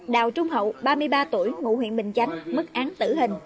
đào trung hậu ba mươi ba tuổi ngụ huyện bình chánh mức án tử hình